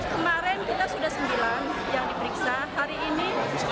kemarin kita sudah sembilan yang diperiksa hari ini dua puluh satu